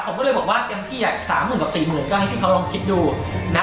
ผมก็เลยบอกว่าเต็มที่ใหญ่๓๐๐๐๐กับ๔๐๐๐๐ก็ให้พี่เขาลองคิดดูนะ